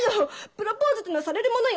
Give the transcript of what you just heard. プロポーズってのはされるものよ。